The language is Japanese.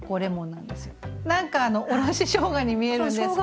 何かあのおろししょうがに見えるんですけど。